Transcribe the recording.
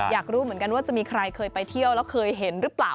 อยากรู้เหมือนกันว่าจะมีใครเคยไปเที่ยวแล้วเคยเห็นหรือเปล่า